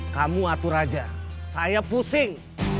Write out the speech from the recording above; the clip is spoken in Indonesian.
kamu atur aja saya pusing